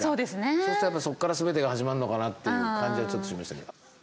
そうするとそこから全てが始まるのかなという感じはちょっとしましたけど。